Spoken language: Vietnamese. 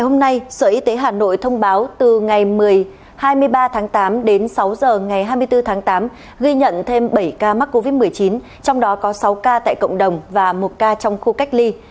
hôm nay sở y tế hà nội thông báo từ ngày hai mươi ba tháng tám đến sáu giờ ngày hai mươi bốn tháng tám ghi nhận thêm bảy ca mắc covid một mươi chín trong đó có sáu ca tại cộng đồng và một ca trong khu cách ly